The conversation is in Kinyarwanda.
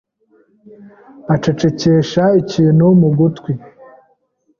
Acecekesha ikintu mu gutwi.